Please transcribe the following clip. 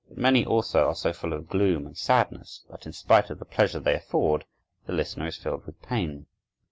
But many also are so full of gloom and sadness that, in spite of the pleasure they afford, the listener is filled with pain.